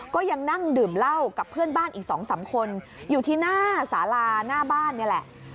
ก็ยังนั่งดื่มเหล้ากับเพื่อนบ้านอีก๒๓คนอยู่ที่หน้าสาลาหน้าบ้านนี่แหละ